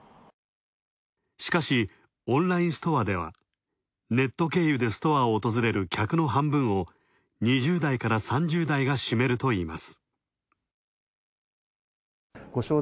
しかし、オンラインストアではネット経由でストアを訪れる客の半分を、２０代から３０代が占めるといいます。